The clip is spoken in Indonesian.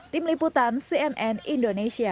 tim liputan cnn indonesia